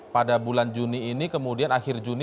pada bulan juni ini kemudian akhir juni